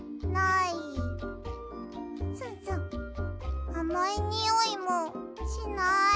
スンスンあまいにおいもしない。